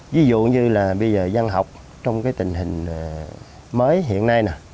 ví dụ như là bây giờ văn học trong cái tình hình mới hiện nay nè